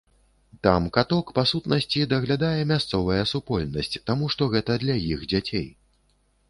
Там каток, па сутнасці, даглядае мясцовая супольнасць, таму што гэта для іх дзяцей.